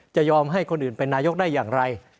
จะยอมให้คนอื่นเป็นนายกได้อย่างไร